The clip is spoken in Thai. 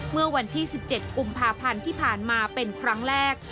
เมื่อวันที่๑๗กุมภาพันธ์ที่ผ่านมาเป็นครั้งแรก